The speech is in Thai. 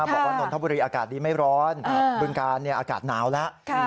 นนทบุรีอากาศดีไม่ร้อนบึงกาลอากาศหนาวแล้ว